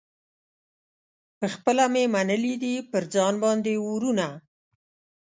پخپله مي منلي دي پر ځان باندي اورونه